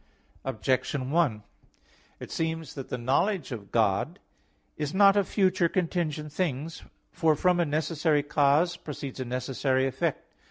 Objection 1: It seems that the knowledge of God is not of future contingent things. For from a necessary cause proceeds a necessary effect.